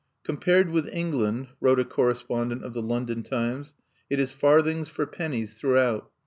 "Compared with England," wrote a correspondent of the London Times, "it is farthings for pennies throughout....